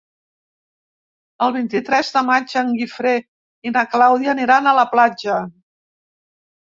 El vint-i-tres de maig en Guifré i na Clàudia aniran a la platja.